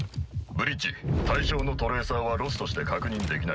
ブリッジ対象のトレーサーはロストして確認できない。